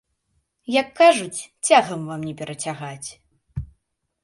Як кажуць, цягаць вам не перацягаць.